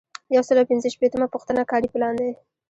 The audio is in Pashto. یو سل او پنځه شپیتمه پوښتنه کاري پلان دی.